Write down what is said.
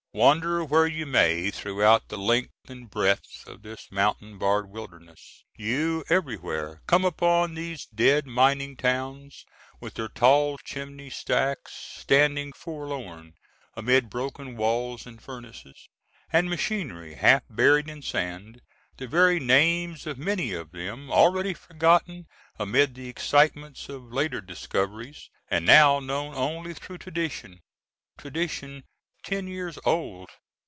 Wander where you may throughout the length and breadth of this mountain barred wilderness, you everywhere come upon these dead mining towns, with their tall chimney stacks, standing forlorn amid broken walls and furnaces, and machinery half buried in sand, the very names of many of them already forgotten amid the excitements of later discoveries, and now known only through tradition—tradition ten years old.